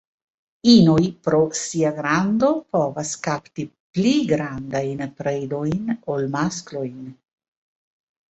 Inoj pro sia grando povas kapti pli grandajn predojn ol maskloj.